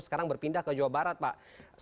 sekarang berpindah ke jawa barat pak